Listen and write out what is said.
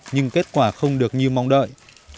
nhưng kết quả không được như mong đợi